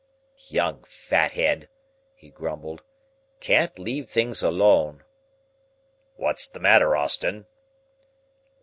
"Young fat head!" he grumbled. "Can't leave things alone!" "What's the matter, Austin?"